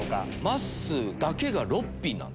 まっすーだけが６品なの。